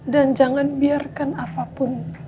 dan jangan biarkan apapun